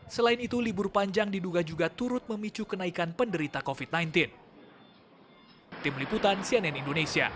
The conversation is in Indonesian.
selain itu libur panjang diduga juga turut memicu kenaikan penderita covid sembilan belas